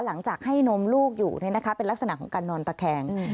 หลังจากให้นมลูกอยู่เป็นลักษณะของการนอนตะแคง